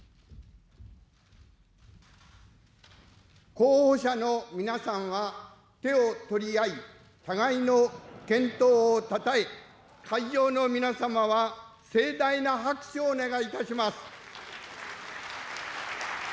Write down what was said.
候補者の皆さんは手を取り合い、互いの健闘をたたえ、会場の皆様は盛大な拍手をお願いいたします。